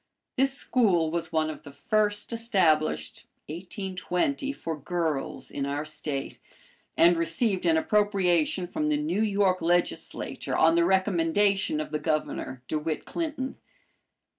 This school was one of the first established (1820) for girls in our State, and received an appropriation from the New York legislature on the recommendation of the Governor, De Witt Clinton.